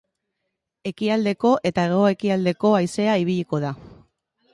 Ekialdeko eta hego-ekialdeko haizea ibiliko da.